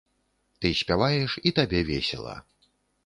Ты спяваеш, і табе весела.